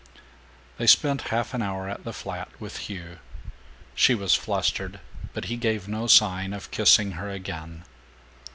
They spent half an hour at the flat, with Hugh. She was flustered, but he gave no sign of kissing her again.